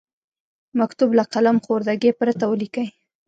مکتوب له قلم خوردګۍ پرته ولیکئ.